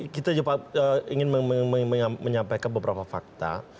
kita ingin menyampaikan beberapa fakta